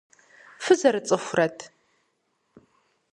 Фызэрыцӏыхурэт?